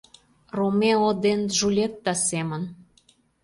Ромео ден Джульетта семын